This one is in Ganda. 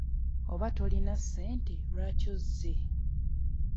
Oba tolina ssente lwaki ozze?